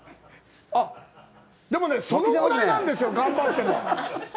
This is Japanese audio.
でもね、そのぐらいなんですよ、頑張っても。